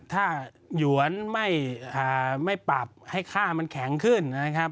ถ้าหยวนไม่ปรับให้ค่ามันแข็งขึ้นนะครับ